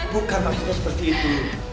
bukan pak cita seperti itu